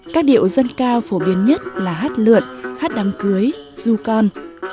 các điệu dân cao phổ biến nhất là hát lượn hát đám cưới du con